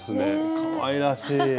かわいらしい。